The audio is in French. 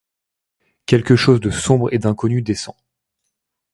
Quelque chose de sombre et d’inconnu descend